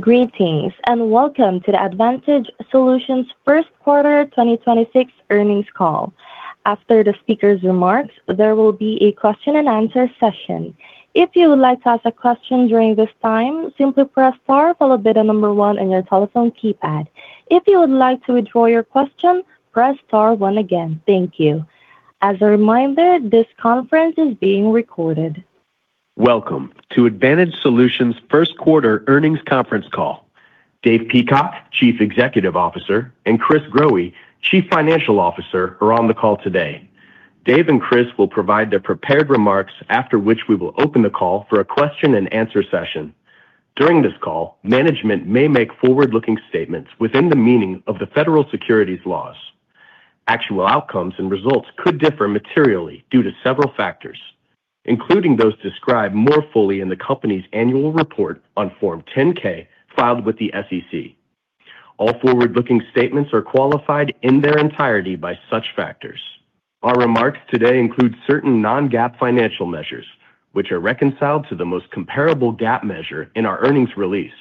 Greetings, and welcome to the Advantage Solutions 1st quarter 2026 earnings call. After the speaker's remarks, there will be a question-and-answer session. If you would like to ask a question at during this time simply press star followed by the number one on your telephone keypad. If you would like to withdraw your question press star one again. Thank you. As a reminder, this conference is being recorded. Welcome to Advantage Solutions first quarter earnings conference call. Dave Peacock, Chief Executive Officer, and Chris Growe, Chief Financial Officer, are on the call today. Dave and Chris will provide their prepared remarks after which we will open the call for a question-and-answer session. During this call, management may make forward-looking statements within the meaning of the Federal Securities laws. Actual outcomes and results could differ materially due to several factors, including those described more fully in the company's annual report on Form 10-K filed with the SEC. All forward-looking statements are qualified in their entirety by such factors. Our remarks today include certain non-GAAP financial measures, which are reconciled to the most comparable GAAP measure in our earnings release.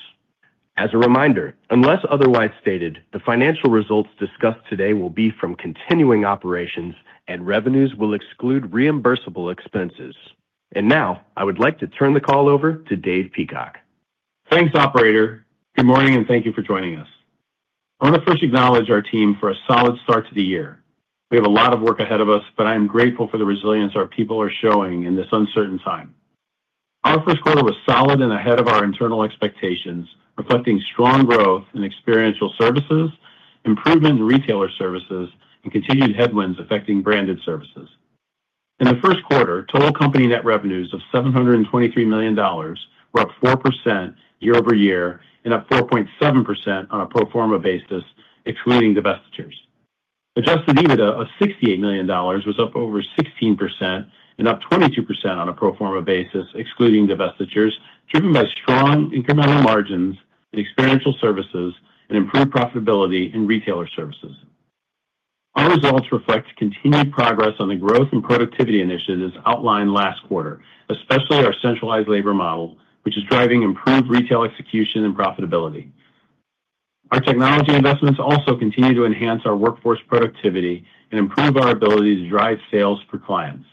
As a reminder, unless otherwise stated, the financial results discussed today will be from continuing operations and revenues will exclude reimbursable expenses. Now, I would like to turn the call over to Dave Peacock. Thanks, operator. Good morning, and thank you for joining us. I want to first acknowledge our team for a solid start to the year. We have a lot of work ahead of us, but I am grateful for the resilience our people are showing in this uncertain time. Our first quarter was solid and ahead of our internal expectations, reflecting strong growth in Experiential Services, improvement in Retailer Services, and continued headwinds affecting Branded Services. In the first quarter, total company net revenues of $723 million were up 4% year-over-year and up 4.7% on a pro forma basis, excluding divestitures. Adjusted EBITDA of $68 million was up over 16% and up 22% on a pro forma basis, excluding divestitures, driven by strong incremental margins in Experiential Services and improved profitability in Retailer Services. Our results reflect continued progress on the growth and productivity initiatives outlined last quarter, especially our centralized labor model, which is driving improved retail execution and profitability. Our technology investments also continue to enhance our workforce productivity and improve our ability to drive sales for clients.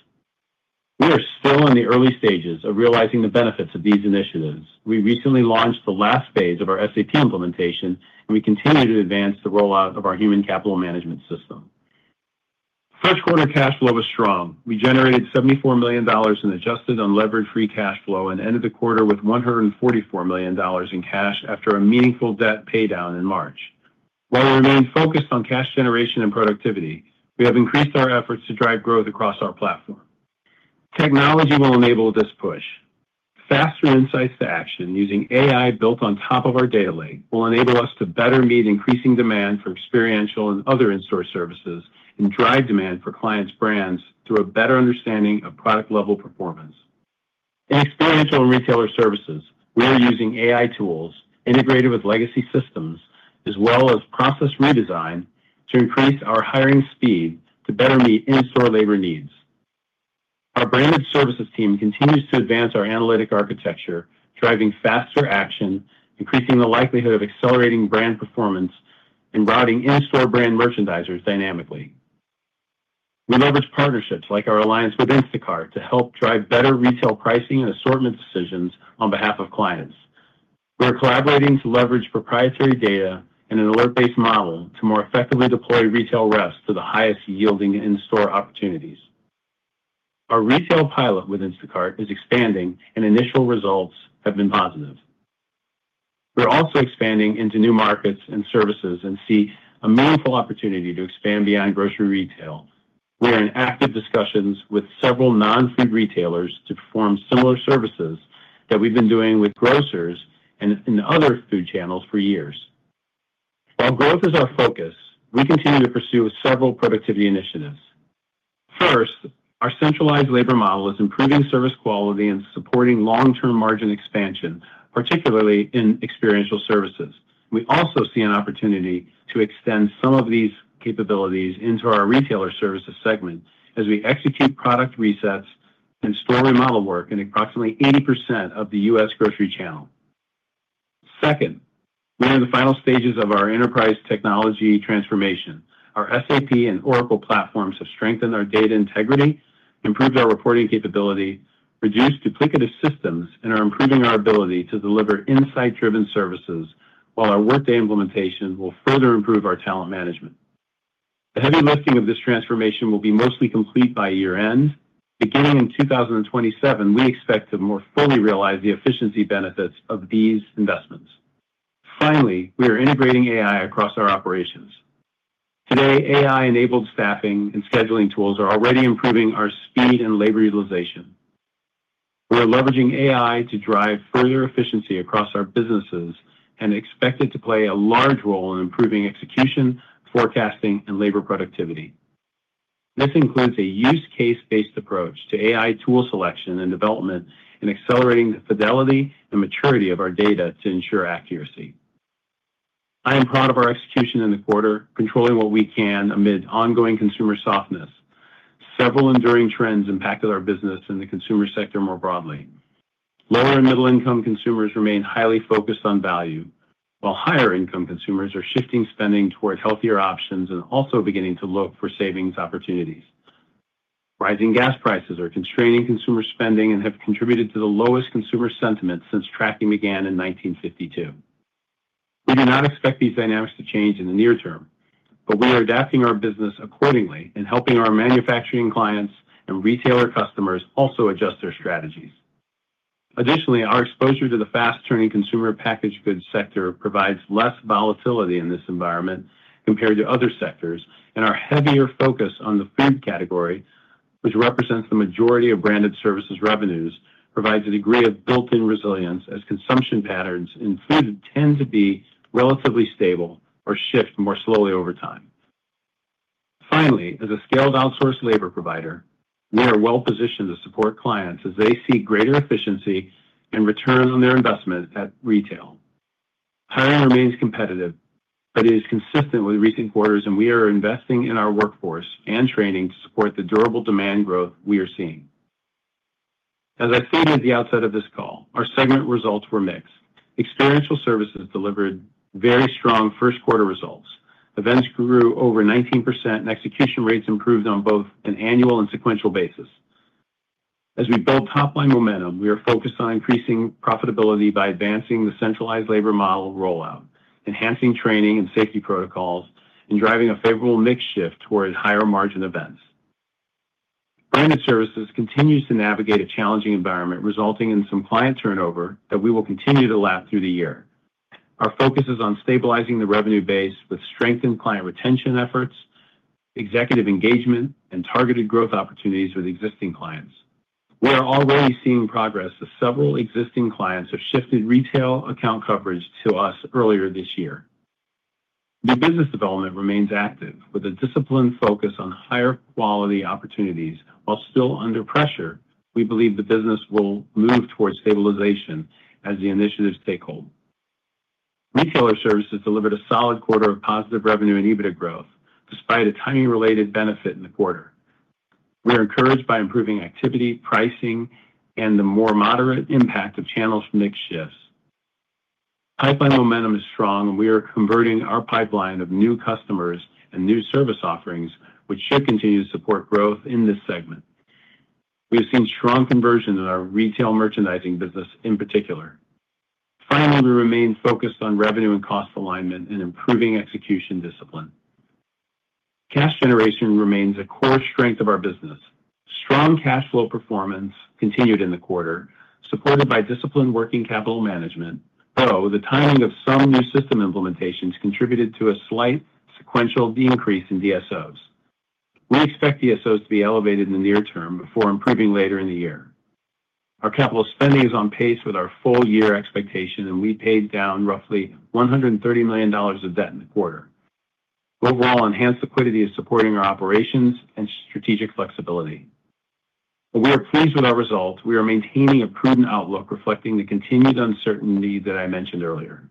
We are still in the early stages of realizing the benefits of these initiatives. We recently launched the last phase of our SAP implementation, and we continue to advance the rollout of our human capital management system. First quarter cash flow was strong. We generated $74 million in adjusted unlevered free cash flow and ended the quarter with $144 million in cash after a meaningful debt paydown in March. While we remain focused on cash generation and productivity, we have increased our efforts to drive growth across our platform. Technology will enable this push. Faster insights to action using AI built on top of our data lake will enable us to better meet increasing demand for experiential and other in-store services and drive demand for clients' brands through a better understanding of product-level performance. In experiential and retailer services, we are using AI tools integrated with legacy systems as well as process redesign to increase our hiring speed to better meet in-store labor needs. Our Branded Services team continues to advance our analytic architecture, driving faster action, increasing the likelihood of accelerating brand performance, and routing in-store brand merchandisers dynamically. We leverage partnerships like our alliance with Instacart to help drive better retail pricing and assortment decisions on behalf of clients. We're collaborating to leverage proprietary data and an alert-based model to more effectively deploy retail reps to the highest yielding in-store opportunities. Our retail pilot with Instacart is expanding. Initial results have been positive. We're also expanding into new markets and services and see a meaningful opportunity to expand beyond grocery retail. We are in active discussions with several non-food retailers to perform similar services that we've been doing with grocers and in other food channels for years. While growth is our focus, we continue to pursue several productivity initiatives. First, our centralized labor model is improving service quality and supporting long-term margin expansion, particularly in Experiential Services. We also see an opportunity to extend some of these capabilities into our Retailer Services segment as we execute product resets and store remodel work in approximately 80% of the U.S. grocery channel. Second, we are in the final stages of our enterprise technology transformation. Our SAP and Oracle platforms have strengthened our data integrity, improved our reporting capability, reduced duplicative systems, and are improving our ability to deliver insight-driven services while our Workday implementation will further improve our talent management. The heavy lifting of this transformation will be mostly complete by year-end. Beginning in 2027, we expect to more fully realize the efficiency benefits of these investments. Finally, we are integrating AI across our operations. Today, AI-enabled staffing and scheduling tools are already improving our speed and labor utilization. We are leveraging AI to drive further efficiency across our businesses and expect it to play a large role in improving execution, forecasting, and labor productivity. This includes a use case-based approach to AI tool selection and development and accelerating the fidelity and maturity of our data to ensure accuracy. I am proud of our execution in the quarter, controlling what we can amid ongoing consumer softness. Several enduring trends impacted our business in the consumer sector more broadly. Lower and middle income consumers remain highly focused on value, while higher income consumers are shifting spending towards healthier options and also beginning to look for savings opportunities. Rising gas prices are constraining consumer spending and have contributed to the lowest consumer sentiment since tracking began in 1952. We do not expect these dynamics to change in the near term, but we are adapting our business accordingly and helping our manufacturing clients and retailer customers also adjust their strategies. Additionally, our exposure to the fast turning consumer packaged goods sector provides less volatility in this environment compared to other sectors, and our heavier focus on the food category, which represents the majority of Branded Services revenues, provides a degree of built-in resilience as consumption patterns in food tend to be relatively stable or shift more slowly over time. Finally, as a scaled outsource labor provider, we are well-positioned to support clients as they seek greater efficiency and return on their investment at retail. Hiring remains competitive, but it is consistent with recent quarters, and we are investing in our workforce and training to support the durable demand growth we are seeing. As I stated at the outset of this call, our segment results were mixed. Experiential Services delivered very strong first quarter results. Events grew over 19% and execution rates improved on both an annual and sequential basis. As we build top line momentum, we are focused on increasing profitability by advancing the centralized labor model rollout, enhancing training and safety protocols, and driving a favorable mix shift towards higher margin events. Branded Services continues to navigate a challenging environment resulting in some client turnover that we will continue to lap through the year. Our focus is on stabilizing the revenue base with strengthened client retention efforts, executive engagement, and targeted growth opportunities with existing clients. We are already seeing progress as several existing clients have shifted retail account coverage to us earlier this year. New business development remains active with a disciplined focus on higher quality opportunities while still under pressure. We believe the business will move towards stabilization as the initiatives take hold. Retailer Services delivered a solid quarter of positive revenue and EBITDA growth despite a timing related benefit in the quarter. We are encouraged by improving activity, pricing, and the more moderate impact of channels from mix shifts. Pipeline momentum is strong and we are converting our pipeline of new customers and new service offerings, which should continue to support growth in this segment. We have seen strong conversion in our retail merchandising business in particular. Finally, we remain focused on revenue and cost alignment and improving execution discipline. Cash generation remains a core strength of our business. Strong cash flow performance continued in the quarter, supported by disciplined working capital management, though the timing of some new system implementations contributed to a slight sequential decrease in DSOs. We expect DSOs to be elevated in the near term before improving later in the year. Our capital spending is on pace with our full year expectation, and we paid down roughly $130 million of debt in the quarter. Overall, enhanced liquidity is supporting our operations and strategic flexibility. We are pleased with our results. We are maintaining a prudent outlook reflecting the continued uncertainty that I mentioned earlier.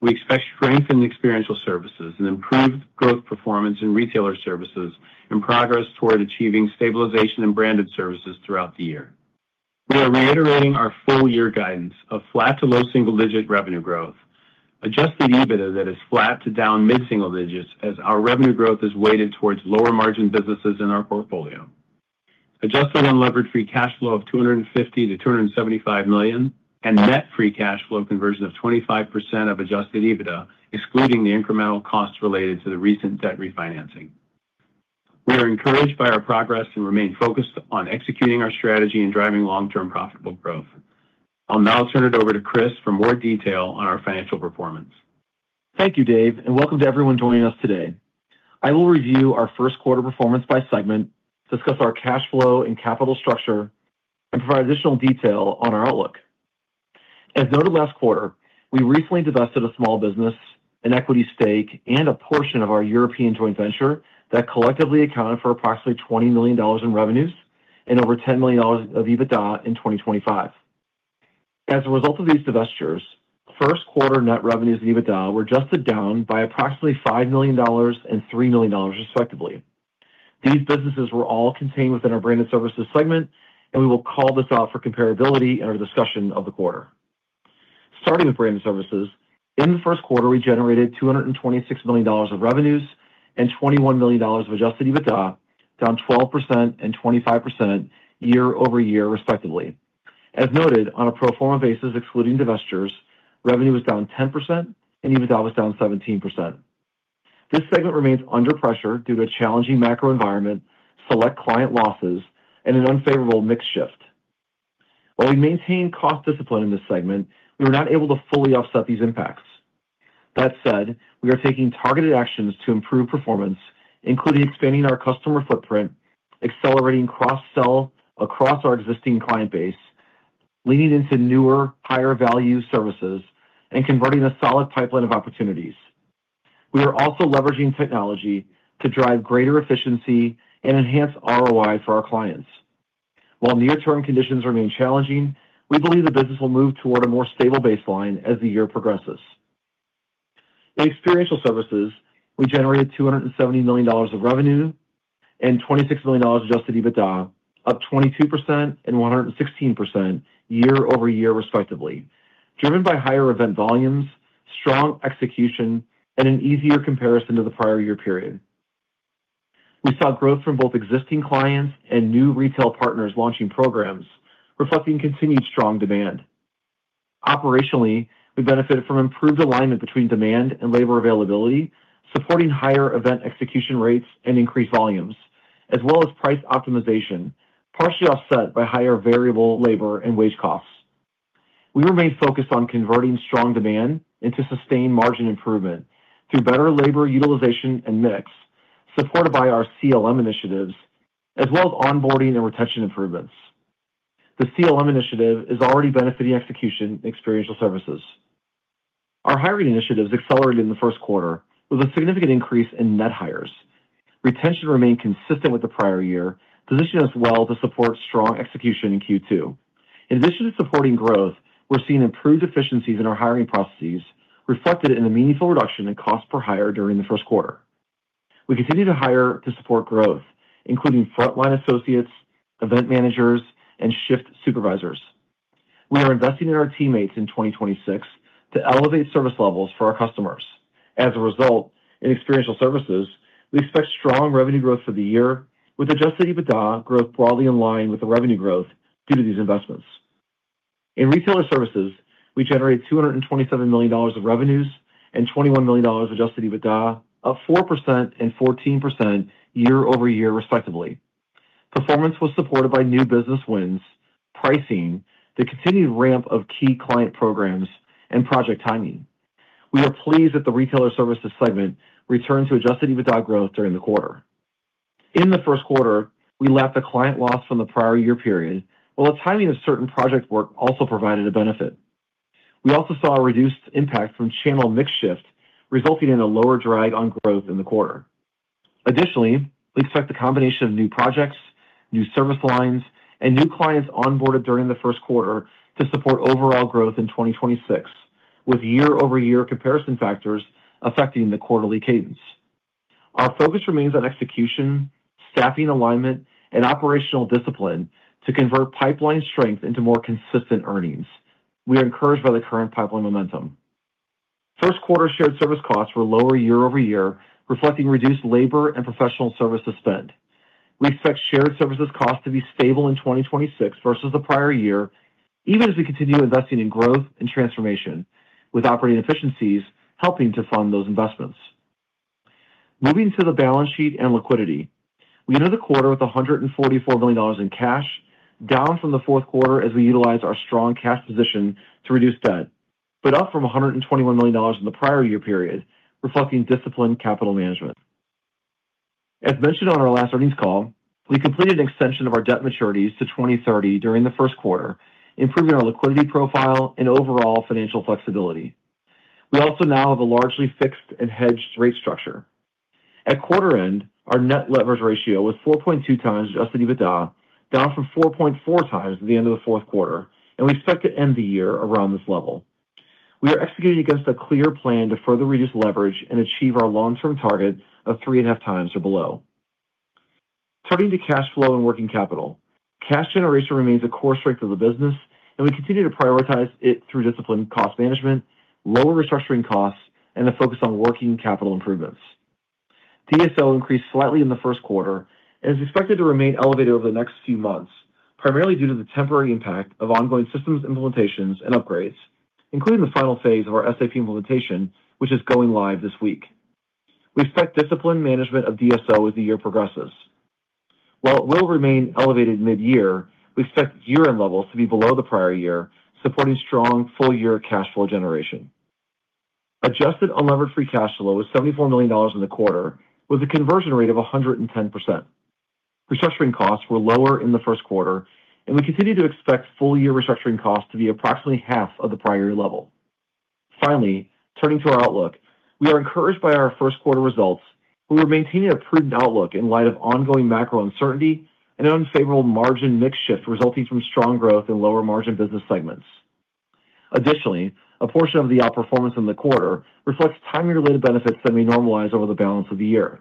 We expect strength in the Experiential Services and improved growth performance in Retailer Services and progress toward achieving stabilization in Branded Services throughout the year. We are reiterating our full year guidance of flat to low single-digit revenue growth. Adjusted EBITDA that is flat to down mid-single digits as our revenue growth is weighted towards lower margin businesses in our portfolio. Adjusted unlevered free cash flow of $250 million-$275 million and net free cash flow conversion of 25% of adjusted EBITDA, excluding the incremental costs related to the recent debt refinancing. We are encouraged by our progress and remain focused on executing our strategy and driving long-term profitable growth. I'll now turn it over to Chris for more detail on our financial performance. Thank you, Dave, and welcome to everyone joining us today. I will review our first quarter performance by segment, discuss our cash flow and capital structure, and provide additional detail on our outlook. As noted last quarter, we recently divested a small business, an equity stake and a portion of our European joint venture that collectively accounted for approximately $20 million in revenues and over $10 million of EBITDA in 2025. As a result of these divestitures, first quarter net revenues and EBITDA were adjusted down by approximately $5 million and $3 million, respectively. These businesses were all contained within our Branded Services segment, and we will call this out for comparability in our discussion of the quarter. Starting with Branded Services, in the first quarter, we generated $226 million of revenues and $21 million of adjusted EBITDA, down 12% and 25% year-over-year, respectively. As noted, on a pro forma basis, excluding divestitures, revenue was down 10% and EBITDA was down 17%. This segment remains under pressure due to a challenging macro environment, select client losses, and an unfavorable mix shift. While we maintain cost discipline in this segment, we were not able to fully offset these impacts. That said, we are taking targeted actions to improve performance, including expanding our customer footprint, accelerating cross-sell across our existing client base, leaning into newer, higher value services, and converting a solid pipeline of opportunities. We are also leveraging technology to drive greater efficiency and enhance ROI for our clients. While near-term conditions remain challenging, we believe the business will move toward a more stable baseline as the year progresses. In Experiential Services, we generated $270 million of revenue and $26 million adjusted EBITDA, up 22% and 116% year-over-year respectively, driven by higher event volumes, strong execution, and an easier comparison to the prior year period. We saw growth from both existing clients and new retail partners launching programs, reflecting continued strong demand. Operationally, we benefited from improved alignment between demand and labor availability, supporting higher event execution rates and increased volumes, as well as price optimization, partially offset by higher variable labor and wage costs. We remain focused on converting strong demand into sustained margin improvement through better labor utilization and mix supported by our CLM initiatives as well as onboarding and retention improvements. The CLM initiative is already benefiting execution in Experiential Services. Our hiring initiatives accelerated in the first quarter with a significant increase in net hires. Retention remained consistent with the prior year, positioning us well to support strong execution in Q2. In addition to supporting growth, we're seeing improved efficiencies in our hiring processes, reflected in the meaningful reduction in cost per hire during the first quarter. We continue to hire to support growth, including frontline associates, event managers, and shift supervisors. We are investing in our teammates in 2026 to elevate service levels for our customers. As a result, in Experiential Services, we expect strong revenue growth for the year with adjusted EBITDA growth broadly in line with the revenue growth due to these investments. In Retailer Services, we generate $227 million of revenues and $21 million adjusted EBITDA, up 4% and 14% year-over-year respectively. Performance was supported by new business wins, pricing, the continued ramp of key client programs, and project timing. We are pleased that the Retailer Services segment returned to adjusted EBITDA growth during the quarter. In the first quarter, we lapped a client loss from the prior year period, while the timing of certain project work also provided a benefit. We also saw a reduced impact from channel mix shift, resulting in a lower drag on growth in the quarter. We expect the combination of new projects, new service lines, and new clients onboarded during the first quarter to support overall growth in 2026, with year-over-year comparison factors affecting the quarterly cadence. Our focus remains on execution, staffing alignment, and operational discipline to convert pipeline strength into more consistent earnings. We are encouraged by the current pipeline momentum. First quarter shared service costs were lower year-over-year, reflecting reduced labor and professional services spend. We expect shared services cost to be stable in 2026 versus the prior year, even as we continue investing in growth and transformation, with operating efficiencies helping to fund those investments. Moving to the balance sheet and liquidity. We ended the quarter with $144 million in cash, down from the fourth quarter as we utilized our strong cash position to reduce debt, but up from $121 million in the prior year period, reflecting disciplined capital management. As mentioned on our last earnings call, we completed an extension of our debt maturities to 2030 during the first quarter, improving our liquidity profile and overall financial flexibility. We also now have a largely fixed and hedged rate structure. At quarter end, our net leverage ratio was 4.2 times Adjusted EBITDA, down from 4.4 times at the end of the fourth quarter, and we expect to end the year around this level. We are executing against a clear plan to further reduce leverage and achieve our long-term target of 3.5 times or below. Turning to cash flow and working capital. Cash generation remains a core strength of the business, we continue to prioritize it through disciplined cost management, lower restructuring costs, and a focus on working capital improvements. DSO increased slightly in the first quarter and is expected to remain elevated over the next few months, primarily due to the temporary impact of ongoing systems implementations and upgrades, including the final phase of our SAP implementation, which is going live this week. We expect disciplined management of DSO as the year progresses. While it will remain elevated mid-year, we expect year-end levels to be below the prior year, supporting strong full-year cash flow generation. Adjusted unlevered free cash flow was $74 million in the quarter, with a conversion rate of 110%. Restructuring costs were lower in the first quarter, and we continue to expect full-year restructuring costs to be approximately half of the prior year level. Finally, turning to our outlook. We are encouraged by our first quarter results. We are maintaining a prudent outlook in light of ongoing macro uncertainty and an unfavorable margin mix shift resulting from strong growth in lower margin business segments. Additionally, a portion of the outperformance in the quarter reflects timing-related benefits that may normalize over the balance of the year.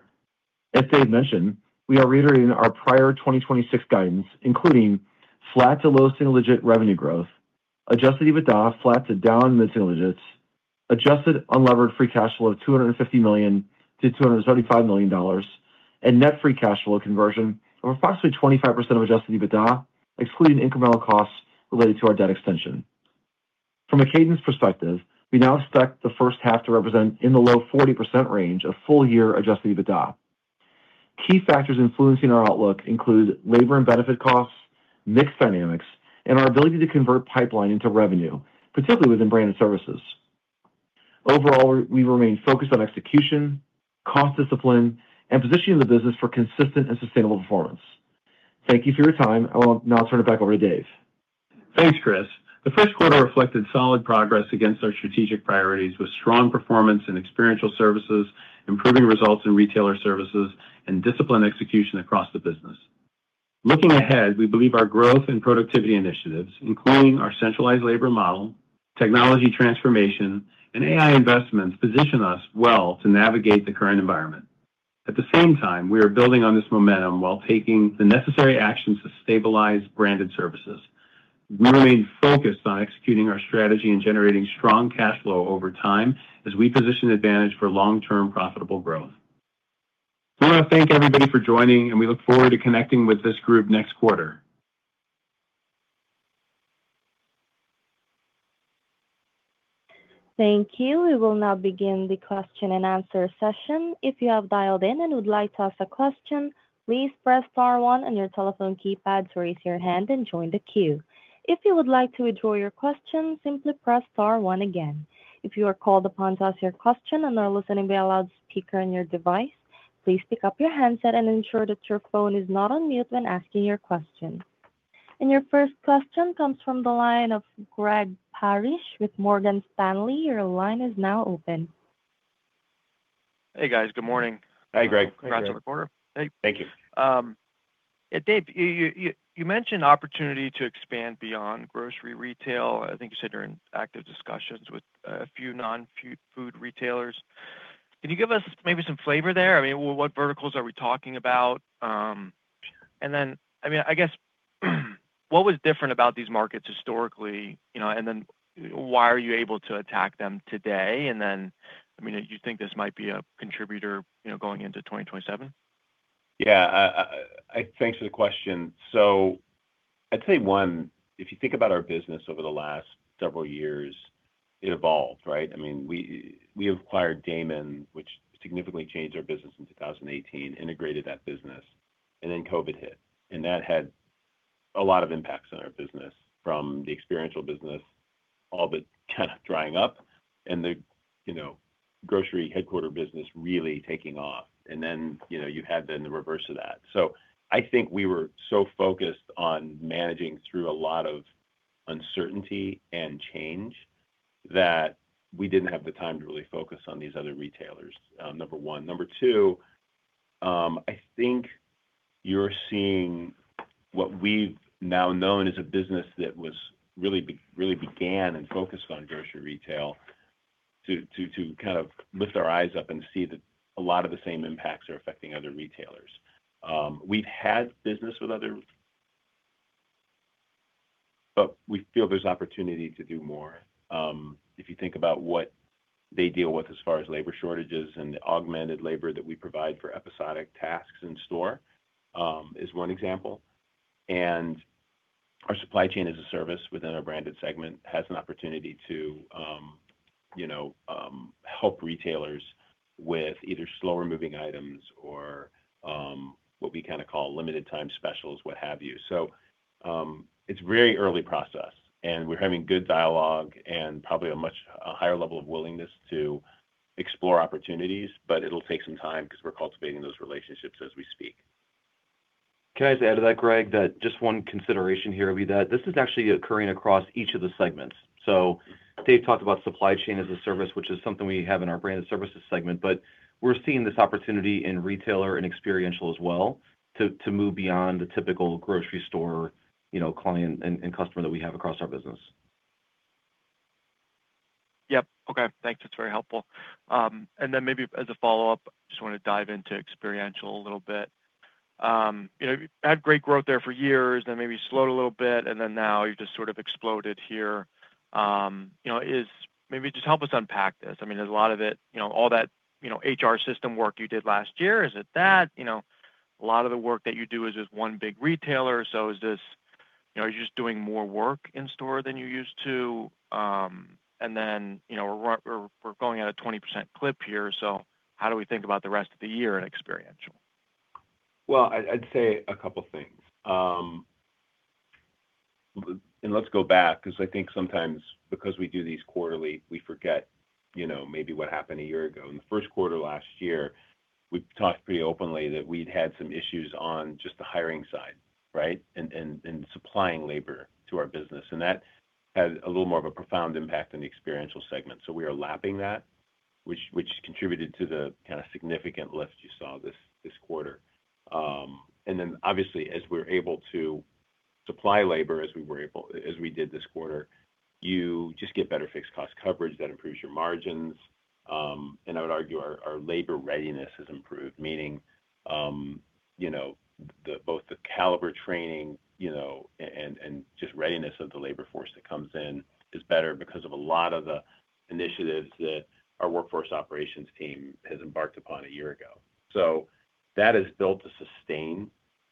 As Dave mentioned, we are reiterating our prior 2026 guidance, including flat to low single-digit revenue growth, adjusted EBITDA flat to down mid-single digits, adjusted unlevered free cash flow of $250 million-$235 million, and net free cash flow conversion of approximately 25% of adjusted EBITDA, excluding incremental costs related to our debt extension. From a cadence perspective, we now expect the first half to represent in the low 40% range of full-year adjusted EBITDA. Key factors influencing our outlook include labor and benefit costs, mix dynamics, and our ability to convert pipeline into revenue, particularly within Branded Services. Overall, we remain focused on execution, cost discipline, and positioning the business for consistent and sustainable performance. Thank you for your time. I will now turn it back over to Dave. Thanks, Chris. The first quarter reflected solid progress against our strategic priorities with strong performance in Experiential Services, improving results in Retailer Services, and disciplined execution across the business. Looking ahead, we believe our growth and productivity initiatives, including our centralized labor model, technology transformation, and AI investments, position us well to navigate the current environment. At the same time, we are building on this momentum while taking the necessary actions to stabilize Branded Services. We remain focused on executing our strategy and generating strong cash flow over time as we position Advantage for long-term profitable growth. I want to thank everybody for joining, and we look forward to connecting with this group next quarter. Thank you. We will now begin the question-and-answer session. If you have dialed in and would like to ask a question, please press star one on your telephone keypad to raise your hand and join the queue. If you would like to withdraw your question, simply press star one again. If you are called upon to ask your question and are listening via loudspeaker on your device, please pick up your handset and ensure that your phone is not on mute when asking your question. Your first question comes from the line of Greg Parrish with Morgan Stanley. Your line is now open. Hey, guys. Good morning. Hi, Greg. Congrats on the quarter. Thank you. Dave, you mentioned opportunity to expand beyond grocery retail. I think you said you're in active discussions with a few non-food retailers. Can you give us maybe some flavor there? I mean, what verticals are we talking about? I mean, I guess, what was different about these markets historically, you know, why are you able to attack them today? I mean, do you think this might be a contributor, you know, going into 2027? Yeah. thanks for the question. I'd say, one, if you think about our business over the last several years, it evolved, right? I mean, we acquired Daymon, which significantly changed our business in 2018, integrated that business, and then COVID hit, and that had a lot of impacts on our business, from the Experiential Services business, all but kind of drying up, and the, you know, grocery headquarter business really taking off. You know, you had then the reverse of that. I think we were so focused on managing through a lot of uncertainty and change that we didn't have the time to really focus on these other retailers, number one. Number two, I think you're seeing what we've now known as a business that really began and focused on grocery retail to kind of lift our eyes up and see that a lot of the same impacts are affecting other retailers. We've had business with other. We feel there's opportunity to do more. If you think about what they deal with as far as labor shortages and the augmented labor that we provide for episodic tasks in store, is one example. Our supply chain as a service within our Branded Services segment has an opportunity to, you know, help retailers with either slower-moving items or what we kind of call limited time specials, what have you. It's very early process, and we're having good dialogue and probably a higher level of willingness to explore opportunities. It'll take some time because we're cultivating those relationships as we speak. Can I just add to that, Greg? That just one consideration here would be that this is actually occurring across each of the segments. Dave talked about supply chain as a service, which is something we have in our Branded Services segment. We're seeing this opportunity in Retailer and Experiential as well to move beyond the typical grocery store, you know, client and customer that we have across our business. Yep. Okay. Thanks. That's very helpful. Maybe as a follow-up, just want to dive into experiential a little bit. You know, had great growth there for years, maybe slowed a little bit, now you've just sort of exploded here. You know, maybe just help us unpack this. I mean, is a lot of it, you know, all that, you know, HR system work you did last year? Is it that? You know, a lot of the work that you do is with one big retailer. Is this, you know, are you just doing more work in store than you used to? You know, we're going at a 20% clip here, how do we think about the rest of the year in experiential? I'd say a couple things. Let's go back, because I think sometimes because we do these quarterly, we forget, you know, maybe what happened a year ago. In the first quarter last year, we talked pretty openly that we'd had some issues on just the hiring side, right, and supplying labor to our business. That had a little more of a profound impact on the Experiential Services segment. We are lapping that, which contributed to the kind of significant lift you saw this quarter. Obviously, as we're able to supply labor as we did this quarter, you just get better fixed cost coverage that improves your margins. And I would argue our labor readiness has improved, meaning, you know, the, both the caliber training, you know, and just readiness of the labor force that comes in is better because of a lot of the initiatives that our workforce operations team has embarked upon a year ago. That is built to sustain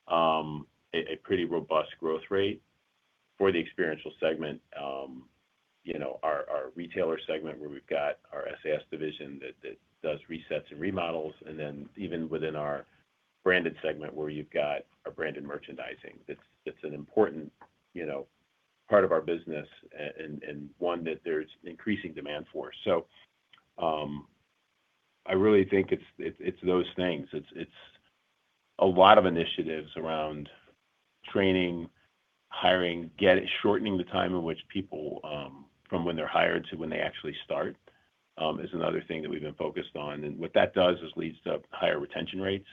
a pretty robust growth rate for the Experiential Services segment. You know, our Retailer Services segment where we've got our SAS Retail Services division that does resets and remodels, and then even within our Branded Services segment where you've got a branded merchandising, that's an important, you know, part of our business and one that there's increasing demand for. I really think it's, it's those things. It's, it's a lot of initiatives around training, hiring, shortening the time in which people from when they're hired to when they actually start is another thing that we've been focused on. What that does is leads to higher retention rates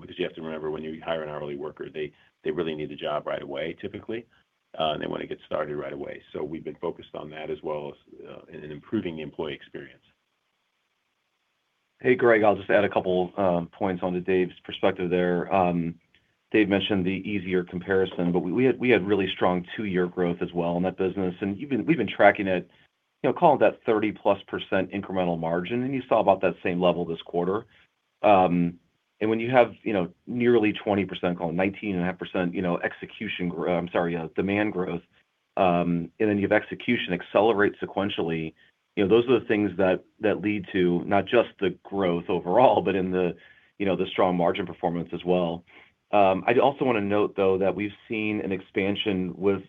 because you have to remember when you hire an hourly worker, they really need the job right away, typically, and they want to get started right away. We've been focused on that as well as in improving the employee experience. Hey, Greg, I'll just add a couple points onto Dave's perspective there. Dave mentioned the easier comparison, we had really strong two-year growth as well in that business. We've been tracking it, you know, call it that 30%+ incremental margin, and you saw about that same level this quarter. When you have, you know, nearly 20%, call it 19.5%, you know, demand growth, then you have execution accelerate sequentially, you know, those are the things that lead to not just the growth overall, but in the, you know, the strong margin performance as well. I'd also wanna note, though, that we've seen an expansion with,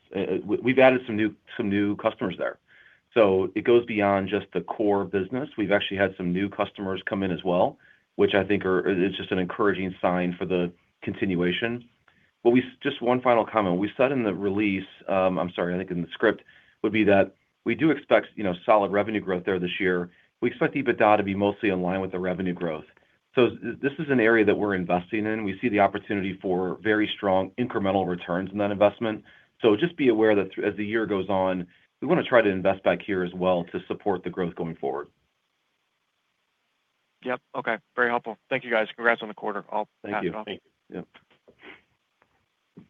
we've added some new customers there. It goes beyond just the core business. We've actually had some new customers come in as well, which I think is just an encouraging sign for the continuation. Just one final comment. We said in the release, I'm sorry, I think in the script, would be that we do expect, you know, solid revenue growth there this year. We expect EBITDA to be mostly in line with the revenue growth. This is an area that we're investing in. We see the opportunity for very strong incremental returns in that investment. Just be aware that as the year goes on, we wanna try to invest back here as well to support the growth going forward. Yep. Okay. Very helpful. Thank you, guys. Congrats on the quarter. I'll pass it off. Thank you. Thank you. Yep.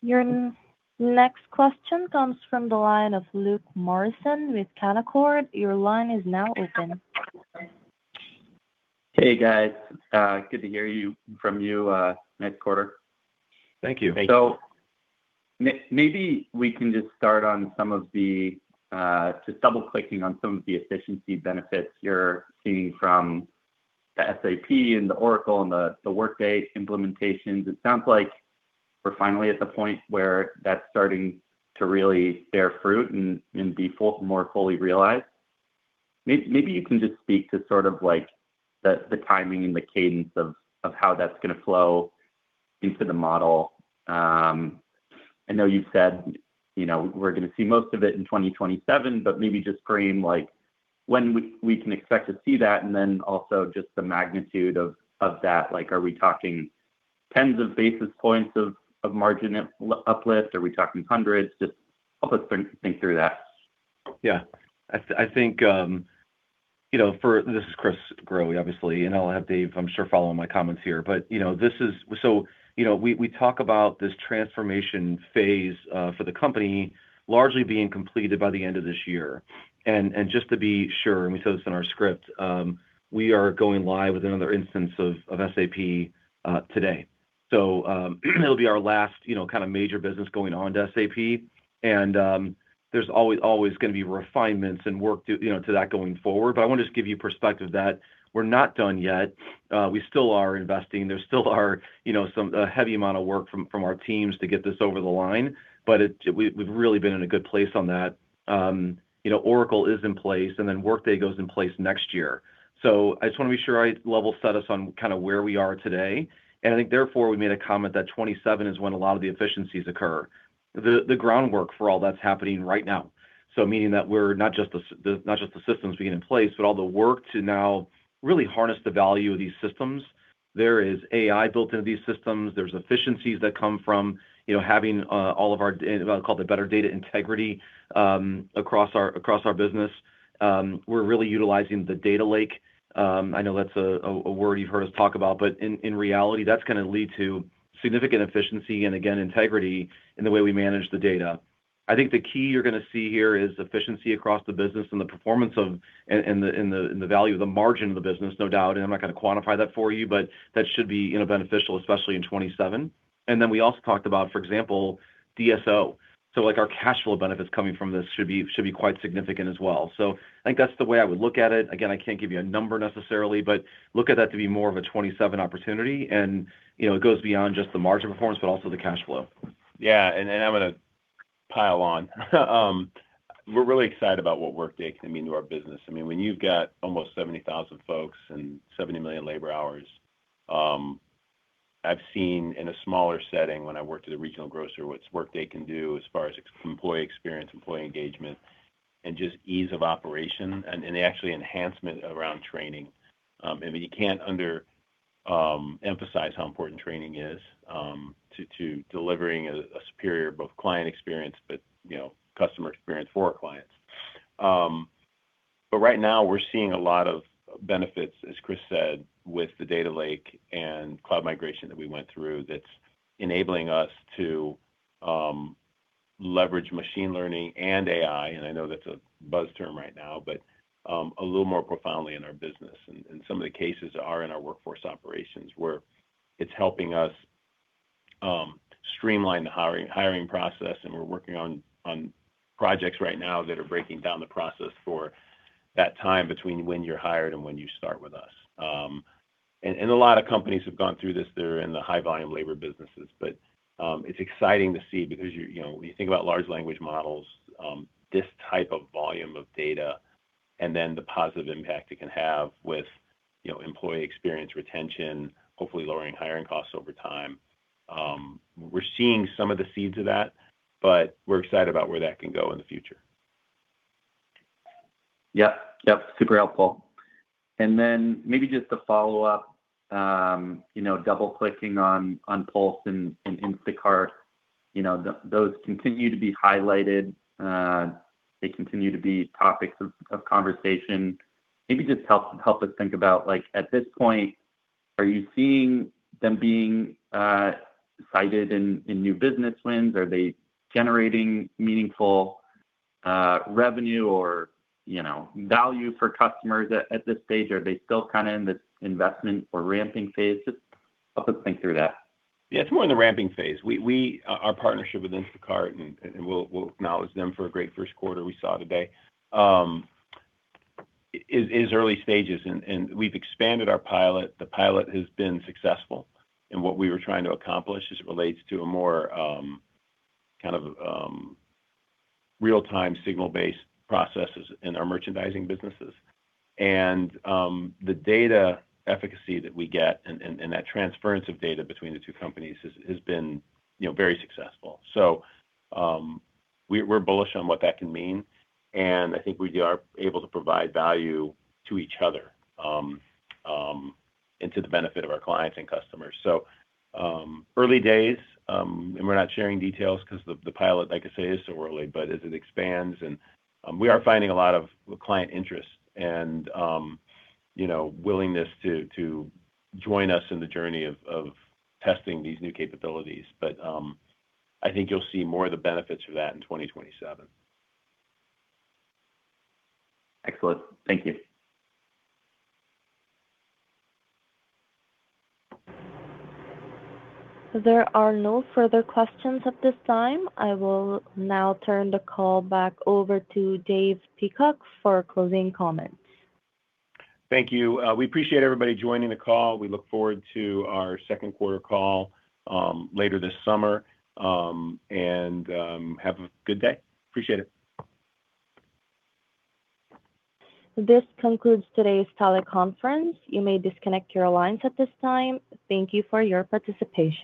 Your next question comes from the line of Luke Morison with Canaccord. Your line is now open. Hey, guys. Good to hear from you. Nice quarter. Thank you. Thank you. Maybe we can just start on some of the, just double-clicking on some of the efficiency benefits you're seeing from the SAP and the Oracle and the Workday implementations. It sounds like we're finally at the point where that's starting to really bear fruit and be more fully realized. Maybe you can just speak to sort of like the timing and the cadence of how that's gonna flow into the model. I know you've said, you know, we're gonna see most of it in 2027, but maybe just frame like when we can expect to see that and then also just the magnitude of that. Like, are we talking tens of basis points of margin uplift? Are we talking hundreds? Just help us think through that. This is Chris Growe, obviously, and I'll have Dave, I'm sure, follow my comments here. We talk about this transformation phase for the company largely being completed by the end of this year. Just to be sure, and we said this in our script, we are going live with another instance of SAP today. It'll be our last kind of major business going onto SAP. There's always gonna be refinements and work to that going forward. I wanna just give you perspective that we're not done yet. We still are investing. There still are some, a heavy amount of work from our teams to get this over the line. We've really been in a good place on that. You know, Oracle is in place, and then Workday goes in place next year. I just wanna make sure I level set us on kinda where we are today. I think therefore, we made a comment that 2027 is when a lot of the efficiencies occur. The groundwork for all that's happening right now. Meaning that we're not just the systems being in place, but all the work to now really harness the value of these systems. There is AI built into these systems. There's efficiencies that come from, you know, having, well, call it the better data integrity, across our business. We're really utilizing the data lake. I know that's a word you've heard us talk about, but in reality, that's gonna lead to significant efficiency and again, integrity in the way we manage the data. I think the key you're gonna see here is efficiency across the business and the performance of and the value of the margin of the business, no doubt, and I'm not gonna quantify that for you, but that should be, you know, beneficial, especially in 2027. Then we also talked about, for example, DSO. Like our cash flow benefits coming from this should be quite significant as well. I think that's the way I would look at it. Again, I can't give you a number necessarily, but look at that to be more of a 2027 opportunity. You know, it goes beyond just the margin performance, but also the cash flow. Yeah. I'm gonna pile on. We're really excited about what Workday can mean to our business. I mean, when you've got almost 70,000 folks and 70 million labor hours, I've seen in a smaller setting when I worked at a regional grocer what Workday can do as far as employee experience, employee engagement, and just ease of operation and actually enhancement around training. I mean, you can't underemphasize how important training is to delivering a superior both client experience, but, you know, customer experience for our clients. Right now we're seeing a lot of benefits, as Chris said, with the data lake and cloud migration that we went through that's enabling us to leverage machine learning and AI, and I know that's a buzz term right now, a little more profoundly in our business and in some of the cases are in our workforce operations where it's helping us streamline the hiring process. We're working on projects right now that are breaking down the process for that time between when you're hired and when you start with us. A lot of companies have gone through this. They're in the high volume labor businesses. It's exciting to see because you know, when you think about large language models, this type of volume of data and then the positive impact it can have with, you know, employee experience, retention, hopefully lowering hiring costs over time. We're seeing some of the seeds of that, but we're excited about where that can go in the future. Yep. Yep. Super helpful. And then maybe just to follow up, you know, double-clicking on Pulse and Instacart. You know, those continue to be highlighted. They continue to be topics of conversation. Maybe just help us think about, like, at this point, are you seeing them being cited in new business wins? Are they generating meaningful revenue or, you know, value for customers at this stage? Are they still kinda in the investment or ramping phase? Just help us think through that. Yeah, it's more in the ramping phase. Our partnership with Instacart, and we'll acknowledge them for a great first quarter we saw today, is early stages and we've expanded our pilot. The pilot has been successful in what we were trying to accomplish as it relates to a more, kind of, real-time signal-based processes in our merchandising businesses. The data efficacy that we get and that transference of data between the two companies has been, you know, very successful. We're bullish on what that can mean, and I think we are able to provide value to each other and to the benefit of our clients and customers. Early days, and we're not sharing details 'cause the pilot, like I say, is so early. As it expands and, we are finding a lot of client interest and, you know, willingness to join us in the journey of testing these new capabilities. I think you'll see more of the benefits of that in 2027. Excellent. Thank you. There are no further questions at this time. I will now turn the call back over to Dave Peacock for closing comments. Thank you. We appreciate everybody joining the call. We look forward to our second quarter call later this summer. Have a good day. Appreciate it. This concludes today's teleconference. You may disconnect your lines at this time. Thank you for your participation.